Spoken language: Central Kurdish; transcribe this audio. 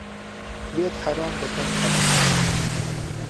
لێت حهرام دهکهم حهڕەم